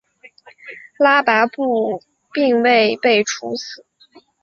拉跋布并未被处死。